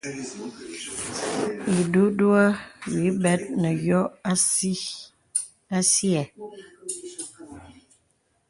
Ìdùŋùhə wì bɛt nə yô asìɛ.